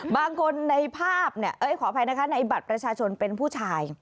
บางคนในภาพขออภัยนะคะในบัตรประชาชนเป็นผู้ชาย